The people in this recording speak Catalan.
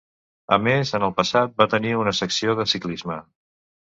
A més, en el passat va tenir una secció de ciclisme.